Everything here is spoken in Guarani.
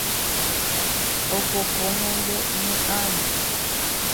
Opoko ñane ñe'ãre